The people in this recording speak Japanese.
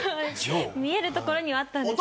見える所にはあるんですけど。